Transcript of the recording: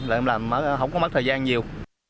làm làm không có mất thời gian nhiều